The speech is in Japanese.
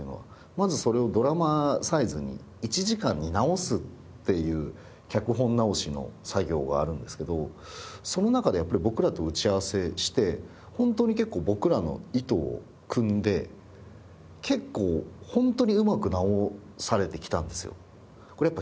まずそれをドラマサイズに１時間に直すっていう脚本直しの作業があるんですけどその中で僕らと打ち合わせして本当に結構僕らの意図をくんでちゃんと。